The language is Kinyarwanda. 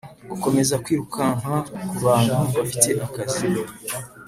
gukomoza kwirukanka kubantu bafite akazi